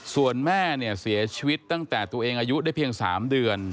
ส่วนแม่เนี่ยเสียชีวิตตั้งแต่ตัวเองอายุได้เพียง๓เดือน